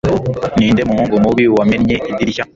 Ninde muhungu mubi wamennye idirishya